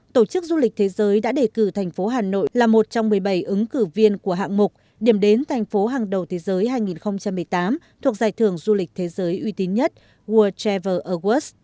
tổ chức du lịch thế giới đã đề cử thành phố hà nội là một trong một mươi bảy ứng cử viên của hạng mục điểm đến thành phố hàng đầu thế giới hai nghìn một mươi tám thuộc giải thưởng du lịch thế giới uy tín nhất world travel awards